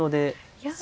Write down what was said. いや。